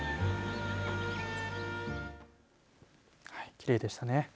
きれいでしたね。